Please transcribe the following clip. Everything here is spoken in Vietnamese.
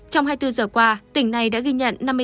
trong hai mươi bốn giờ qua tỉnh này đã ghi nhận